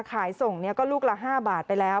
ขายส่งก็ลูกละ๕บาทไปแล้ว